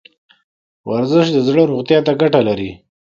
ورزش د زړه روغتیا ته ګټه لري.